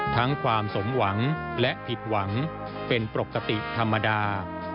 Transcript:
ความสมหวังและผิดหวังเป็นปกติธรรมดา